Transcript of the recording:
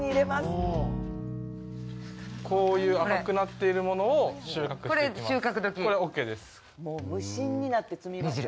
こういう赤くなっているものを収穫していきます。